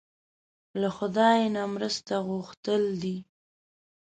له خدای نه مرسته غوښتل دي.